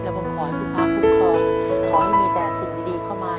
และผมขอให้คุณพาคุณคอขอให้มีแต่สิ่งดีเข้ามา